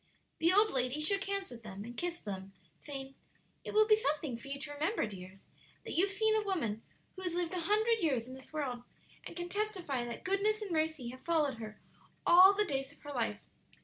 The old lady shook hands with and kissed them, saying, "It will be something for you to remember, dears, that you have seen a woman who has lived a hundred years in this world, and can testify that goodness and mercy have followed her all the days of her life.